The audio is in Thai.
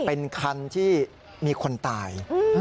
เป็นคันที่มีคนตาย